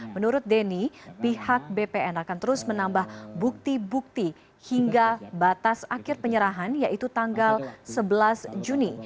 menurut denny pihak bpn akan terus menambah bukti bukti hingga batas akhir penyerahan yaitu tanggal sebelas juni